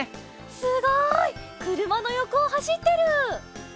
すごい！くるまのよこをはしってる！